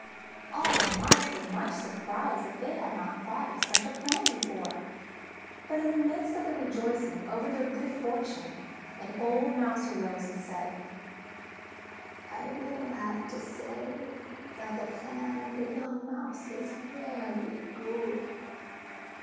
All the Mice were much surprised that they had not thought of such a plan before. But in the midst of the rejoicing over their good fortune, an old Mouse arose and said: "I will say that the plan of the young Mouse is very good.